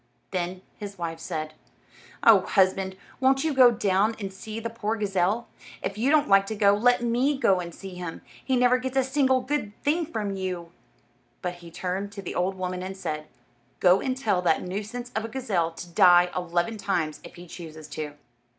Then his wife said: "Oh, husband, won't you go down and see the poor gazelle? If you don't like to go, let me go and see him. He never gets a single good thing from you." But he turned to the old woman and said, "Go and tell that nuisance of a gazelle to die eleven times if he chooses to."